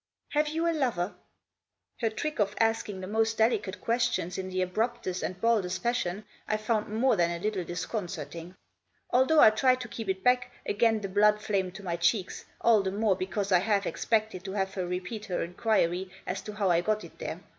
" Have you a lover ?" Her trick of asking the most delicate questions in the abruptest and baldest fashion I found more than a little disconcerting. Although I tried to keep it back, again the blood flamed to my cheeks, all the more because I half expected to have her repeat her enquiry as to how I got it there.